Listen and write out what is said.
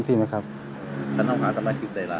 การทำความสำหรับสมัครชีพใด